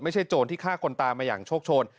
ไม่ใช่โจรที่ฆ่าคนตามาอย่างโชคโชน